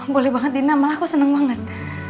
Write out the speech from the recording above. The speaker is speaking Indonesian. boleh banget dina malah aku senang banget